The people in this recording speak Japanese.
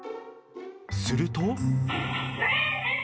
すると。